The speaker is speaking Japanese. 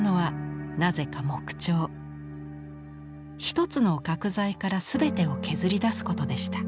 一つの角材から全てを削り出すことでした。